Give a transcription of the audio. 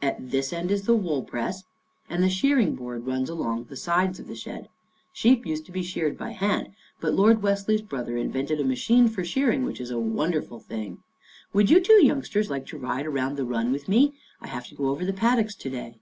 At this end is the wool press, and the shearing board runs along the sides of the shed. Sheep used to be sheared by hand, but Lord Wesley's brother invented a machine for shearing which is a won derful thing. Would you two youngsters like to ride around the run with me? I have to go over to the paddocks to day."